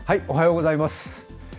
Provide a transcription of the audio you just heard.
おはようございます。